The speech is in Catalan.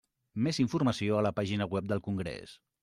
Més informació a la pàgina web del congrés.